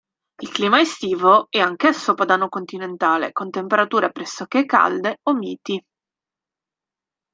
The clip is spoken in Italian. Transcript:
Il clima estivo è anch'esso padano-continentale, con temperature pressoché calde o miti.